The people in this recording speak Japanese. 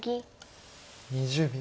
２０秒。